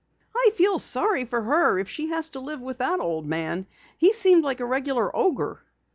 "I feel sorry for her if she has to live with that old man. He seemed like a regular ogre."